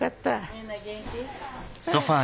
みんな元気？